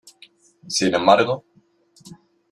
Sin embargo,